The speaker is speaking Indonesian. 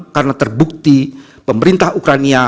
karena terbukti pemerintah ukrania